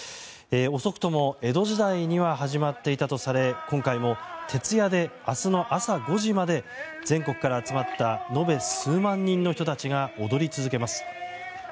遅くとも江戸時代には始まっていたとされ今回も徹夜で明日の朝５時まで全国から集まった延べ数万人の人たちが踊り続けます。